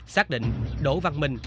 xác định đỗ văn minh